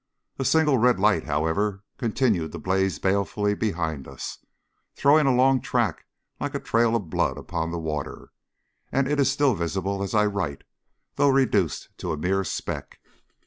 A single red light, however, continued to blaze balefully behind us, throwing a long track like a trail of blood upon the water, and it is still visible as I write, though reduced to a mere speck.